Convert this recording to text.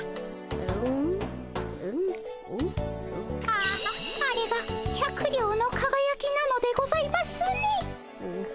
あああれが百両のかがやきなのでございますね。